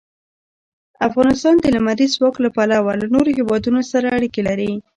افغانستان د لمریز ځواک له پلوه له نورو هېوادونو سره اړیکې لري.